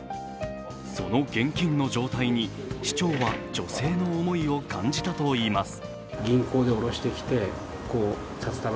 その現金の状態に市長は女性の思いを感じたといいます。